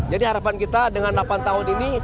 jadi harapan kita dengan delapan tahun ini